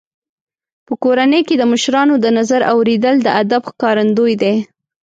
په کورنۍ کې د مشرانو د نظر اورېدل د ادب ښکارندوی دی.